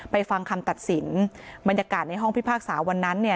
ฟังคำตัดสินบรรยากาศในห้องพิพากษาวันนั้นเนี่ย